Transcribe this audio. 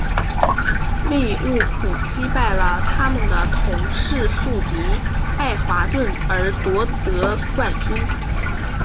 利物浦击败了他们的同市宿敌爱华顿而夺得冠军。